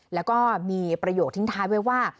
แล้วก็มีประโยคทิ้งท้ายไว้ว่า